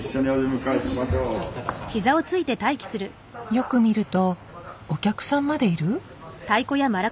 よく見るとお客さんまでいる？